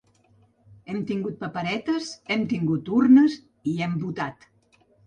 Hem tingut paperetes, hem tingut urnes i hem votat.